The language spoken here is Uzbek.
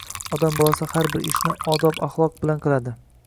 Odam bolasi har bir ishni odob-axloq bilan qiladi.